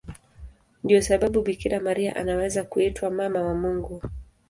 Ndiyo sababu Bikira Maria anaweza kuitwa Mama wa Mungu.